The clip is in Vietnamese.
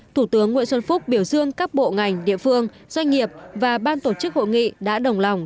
thủ tướng nguyễn xuân phúc biểu dương các bộ ngành địa phương doanh nghiệp và ban tổ chức hội nghị đã đồng lòng